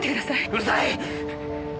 うるさい！